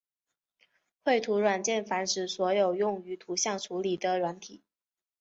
绘图软件泛指所有用于图像处理的软体。